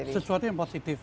sesuatu yang positif